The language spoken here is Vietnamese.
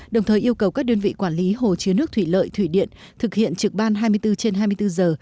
đồng thời yêu cầu các đơn vị quản lý hồ chứa nước thủy lợi thủy điện thực hiện trực ban hai mươi bốn trên hai mươi bốn giờ